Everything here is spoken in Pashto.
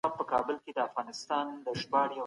ننګرهار، لغمان، کنړ او نورستان ختيځ ولايتونه دي.